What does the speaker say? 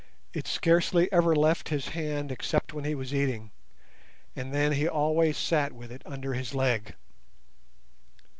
It scarcely ever left his hand except when he was eating, and then he always sat with it under his leg.